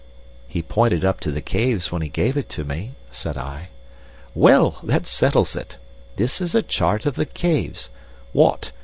"He pointed up to the caves when he gave it to me," said I. "Well, that settles it. This is a chart of the caves. What!